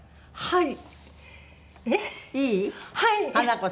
はい。